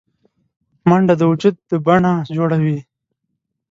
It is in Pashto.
منډه د وجود د بڼه جوړوي